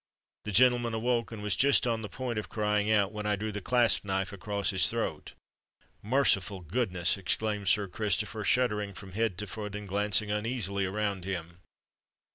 The gentleman awoke, and was just on the point of crying out, when I drew the clasp knife across his throat." "Merciful goodness!" exclaimed Sir Christopher, shuddering from head to foot, and glancing uneasily around him.